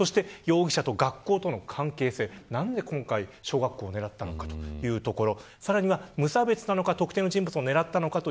なんで今回、小学校を狙ったのかというところ。